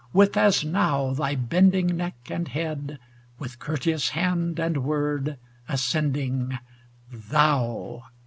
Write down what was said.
with as now thy bending neck and head, with courteous hand and word, ascending, Thou!